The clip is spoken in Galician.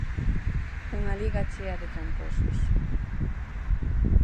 Unha Liga chea de tramposos.